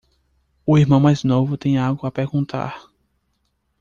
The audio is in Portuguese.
O irmão mais novo tem algo a perguntar.